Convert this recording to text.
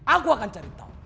aku akan cari tahu